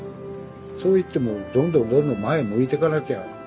そういってもうどんどんどんどん前向いてかなきゃ。